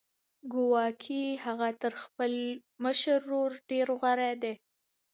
ګواکې هغه تر خپل مشر ورور ډېر غوره دی